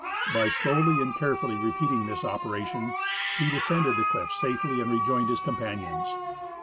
By slowly and carefully repeating this operation he descended the cliff safely and rejoined his companions.